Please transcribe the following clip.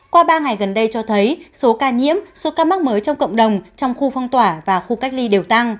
qua ba ngày gần đây cho thấy số ca nhiễm số ca mắc mới trong cộng đồng trong khu phong tỏa và khu cách ly đều tăng